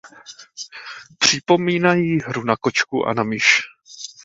Připomínají hru na kočku a na myš.